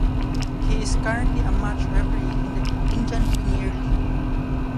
He is currently a match referee in the Indian Premier League.